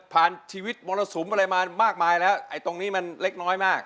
ชีวิตมรสุมอะไรมามากมายแล้วไอ้ตรงนี้มันเล็กน้อยมาก